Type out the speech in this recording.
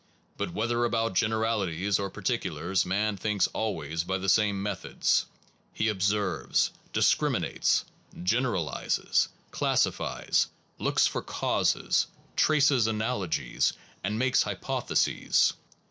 But whether Philoso phy is about generalities or particulars, only man man thinks always by the same methods. He observes, discriminates, generalizes, classifies, looks for causes, traces analogies, and makes hypotheses.